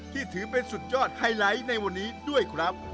ที่ถือเป็นสุดยอดไฮไลท์ในวันนี้ด้วยครับ